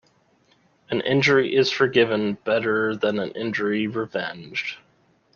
An injury is forgiven better than an injury revenged.